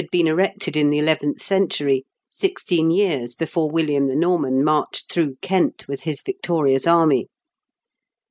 been erected in the eleventh century, sixteen years before William the Norman marched through Kent with his victorious army.